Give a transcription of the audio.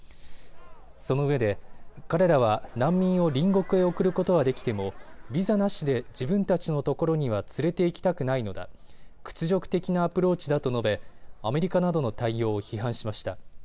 そのうえで彼らは難民を隣国へ送ることはできてもビザなしで自分たちのところには連れて行きたくないのだ屈辱的なアプローチだと述べアメリカなどの対応を批判しました。